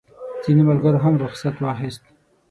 ځینو ملګرو هم رخصت واخیست.